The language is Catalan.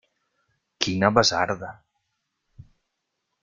Quina basarda!